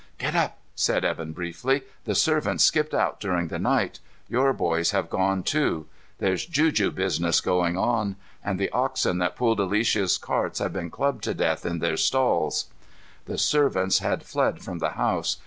"Get up," said Evan briefly. "The servants skipped out during the night. Your boys have gone, too. There's juju business going on. And the oxen that pulled Alicia's cart have been clubbed to death in their stalls." The servants had fled from the house.